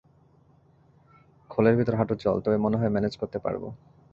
খোলের ভিতর হাঁটু জল, তবে মনে হয় ম্যানেজ করতে পারবো।